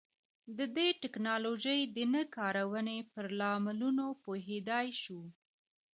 د دې ټکنالوژۍ د نه کارونې پر لاملونو پوهېدای شو.